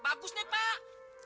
bagus nih pak